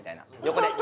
横で。